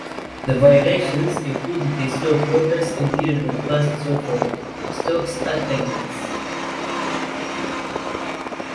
The violations included a slow progress in dealing with vast sulfur stocks at Tengiz.